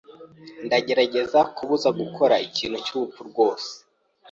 Ndagerageza kubuza gukora ikintu cyubupfu rwose.